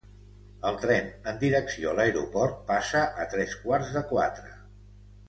El tren en direcció a l'aeroport passa a tres quarts de quatre